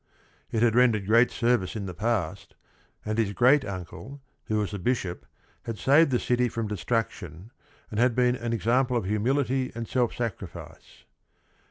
It had rendered great service in the past, and his great uncle, who was a bishop, had saved the city from destruction and had been an example of humility and self sacrifice.